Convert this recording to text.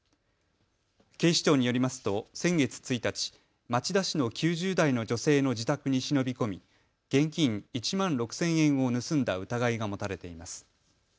警視庁によりますと先月１日、町田市の９０代の女性の自宅に忍び込み、現金１万６０００円を盗んだ疑いが持たれています。